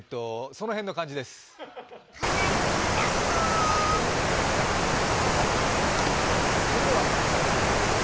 その辺の感じです。